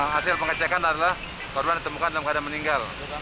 hasil pengecekan adalah korban ditemukan dalam keadaan meninggal